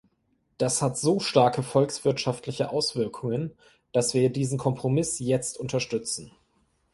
Das hat so starke volkswirtschaftliche Auswirkungen, dass wir diesen Kompromiss jetzt unterstützen.